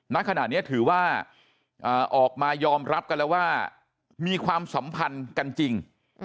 ณขณะนี้ถือว่าออกมายอมรับกันแล้วว่ามีความสัมพันธ์กันจริง